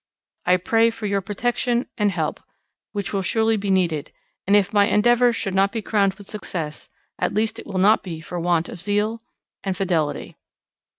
I pray for your protection and help, which will surely be needed, and if my endeavours should not be crowned with success, at least it will not be for want of zeal and fidelity.